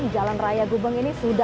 jalan raya gubeng